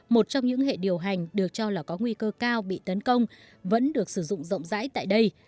một trong những hệ điều hành được cho là có nguy cơ cao bị tấn công vẫn được sử dụng rộng rãi tại đây